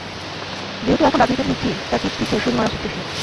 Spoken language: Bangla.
যেহেতু এখন রাজনীতিতে ঢুকছি, তাই পিঠ পিছে ছুরি মারা শিখতেছি!